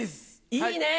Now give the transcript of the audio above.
いいね。